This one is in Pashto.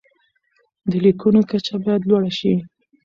د لیکنو کچه باید لوړه شي.